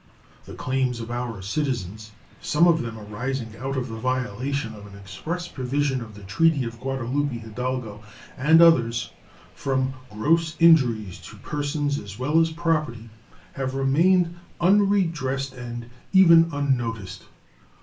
The claims of our citizens, some of them arising out of the violation of an express provision of the treaty of Guadalupe Hidalgo, and others from gross injuries to persons as well as property, have remained unredressed and even unnoticed.